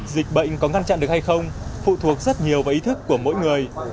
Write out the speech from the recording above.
dịch bệnh có ngăn chặn được hay không phụ thuộc rất nhiều vào ý thức của mỗi người